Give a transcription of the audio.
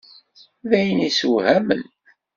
D ayen isewhamen.